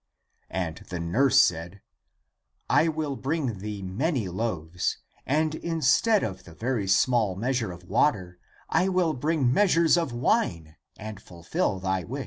And the nurse said, " I will bring thee many loaves, and in stead of (the very small measure of) water I wall bring measures of wine and fulfill thy wish."